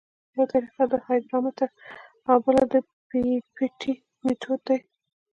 یوه طریقه د هایدرامتر او بله د پیپیټ میتود دی